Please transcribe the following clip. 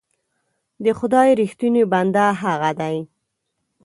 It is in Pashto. د خدای رښتونی بنده هغه دی.